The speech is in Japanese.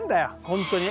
本当に。